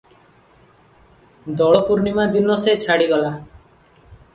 ଦୋଳପୂର୍ଣ୍ଣିମା ଦିନ ସେ ଛାଡ଼ିଗଲା ।